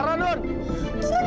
lara nun turun